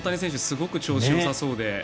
すごく調子よさそうで。